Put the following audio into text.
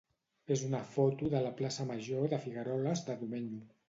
és una foto de la plaça major de Figueroles de Domenyo.